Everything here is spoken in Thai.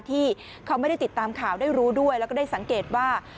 ที่เขาไม่ได้ติดตามข่าวได้รู้ด้วยแล้วก็ได้สังเกตว่า